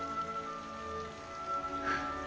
はあ。